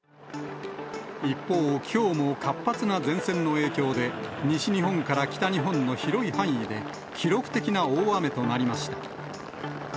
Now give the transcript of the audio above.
一方、きょうも活発な前線の影響で、西日本から北日本の広い範囲で記録的な大雨となりました。